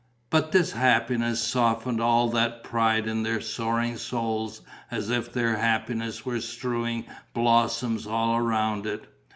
But this happiness softened all that pride in their soaring souls, as if their happiness were strewing blossoms all around it.